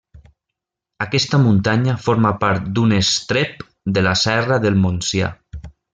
Aquesta muntanya forma part d'un estrep de la Serra del Montsià.